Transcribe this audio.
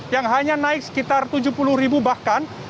yang hanya naik sekitar rp tujuh puluh bahkan